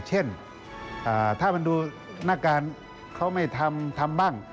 เช่นถ้ามันดูหน้าการเขาไม่ทำทำบ้าง